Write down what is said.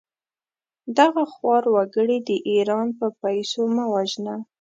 دغه خوار وګړي د ايران په پېسو مه وژنه!